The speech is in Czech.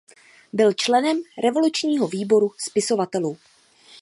Byl členem revolučního výboru spisovatelů.